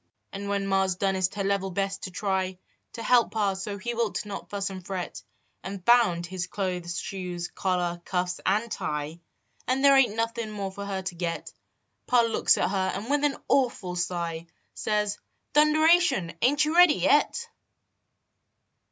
And when ma s donest her level best to try To help pa so he wilt not fuss and fret, And found his clothes, shoes, collar, cuffs and tie, And there ain t nothin more for her to get, Pa looks at her and with an awful sigh Says: " Thunderation! Ain t you ready yet?"